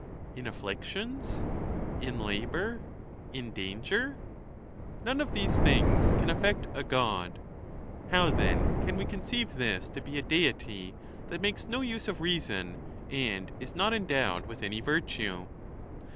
In afflictions, in labor, in danger? None of these things can affect a God. How, then, can we conceive this to be a Deity that makes no use of reason, and is not endowed with any virtue?